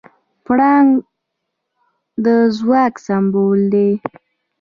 پړانګ د ځواک سمبول دی.